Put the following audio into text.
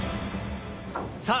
さあ